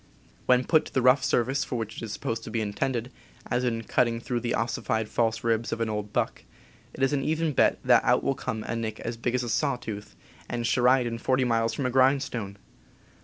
When put to the rough service for which it is supposed to be intended, as in cutting through the ossified false ribs of an old buck, it is an even bet that out will come a nick as big as a saw tooth — and Sheridan forty miles from a grindstone!